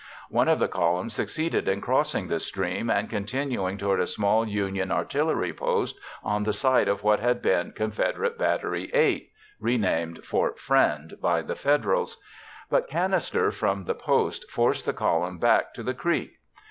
One of the columns succeeded in crossing the stream and continuing toward a small Union artillery post on the site of what had been Confederate Battery 8 (renamed Fort Friend by the Federals), but canister from the post forced the column back to the creek.